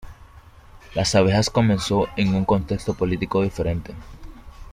Las Abejas comenzó en un contexto político diferente.